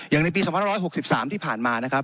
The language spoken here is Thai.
อย่างในปี๑๖๖๓ที่ผ่านมานะครับ